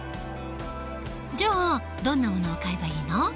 じゃあどんなものを買えばいいの？